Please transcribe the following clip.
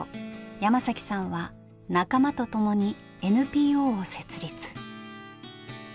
山さんは仲間と共にＮＰＯを設立。